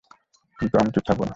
আমি চুপ থাকব না।